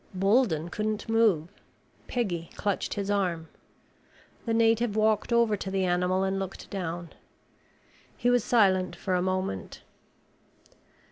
Bolden couldn't move. Peggy clutched his arm. The native walked over to the animal and looked down. He was silent for a moment.